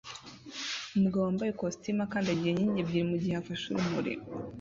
Umugabo wambaye ikositimu akandagira inkingi ebyiri mugihe afashe urumuri